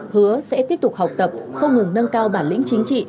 hứa sẽ tiếp tục học tập không ngừng nâng cao bản lĩnh chính trị